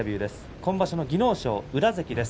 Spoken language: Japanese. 今場所の技能賞、宇良関です。